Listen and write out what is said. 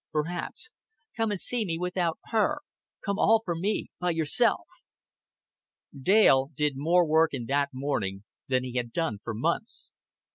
"Perhaps." "Come and see me without her. Come all for me, by yourself." Dale did more work in that one morning than he had done for months.